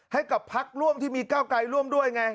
ให้กับพักร่วมที่มีก้าวไกลร่วมด้วยไง